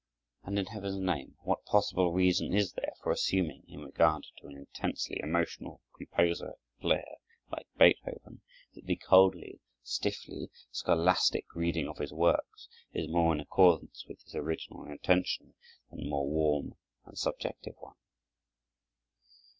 And in heaven's name what possible reason is there for assuming, in regard to an intensely emotional composer and player like Beethoven, that the coldly, stiffly scholastic reading of his works is more in accordance with his original intention than a more warm and subjective one?